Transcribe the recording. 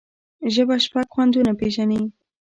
ژبه شپږ خوندونه پېژني.